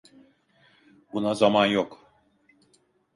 Buna zaman yok.